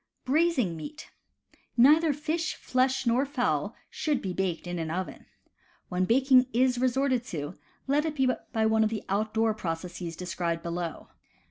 Braising Meat. — Neither fish, flesh nor fowl should be baked in an oven. When baking is resorted to, let it be by one of the outdoor processes described below.